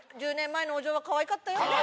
１０年前のお嬢はかわいかったよ。